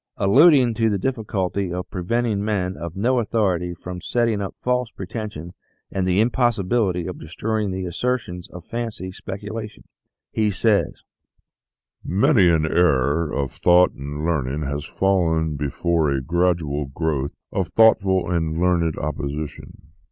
Alluding to the difficulty of preventing men of no authority from setting up false pretensions and the impossibility of destroying the assertions of fancy specula tion, he says :" Many an error of thought and learning has fallen before a gradual growth of thoughtful and learned opposition.